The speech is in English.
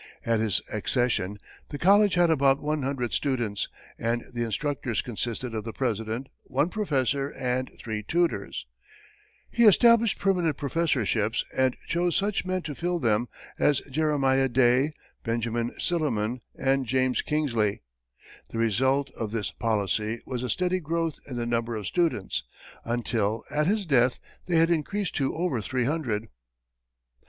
At his accession, the college had about one hundred students, and the instructors consisted of the president, one professor and three tutors. He established permanent professorships and chose such men to fill them as Jeremiah Day, Benjamin Silliman, and James Kingsley. The result of this policy was a steady growth in the number of students, until, at his death, they had increased to over three hundred.